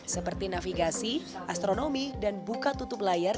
seperti navigasi astronomi dan buka tutup layar